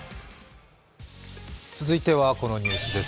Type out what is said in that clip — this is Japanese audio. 続いてはこのニュースです。